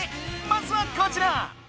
まずはこちら！